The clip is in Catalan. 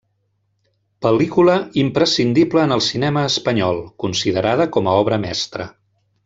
Pel·lícula imprescindible en el cinema espanyol, considerada com a obra mestra.